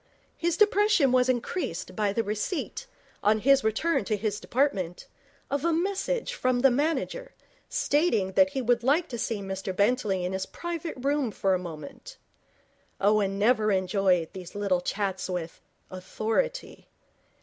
His depression was increased by the receipt, on his return to his department, of a message from the manager, stating that he would like to see Mr Bentley in his private room for a moment. Owen never enjoyed these little chats with Authority.